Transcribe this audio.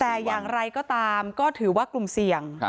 แต่อย่างไรก็ตามก็ถือว่ากลุ่มเสี่ยง